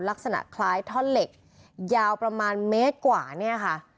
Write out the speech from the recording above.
ลักษณะคล้ายท่อนเหล็กยาวประมาณเมตรกว่าเนี่ยค่ะ